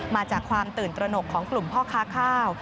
มาจากความตื่นตระหนกของกลุ่มพ่อค้าข้าว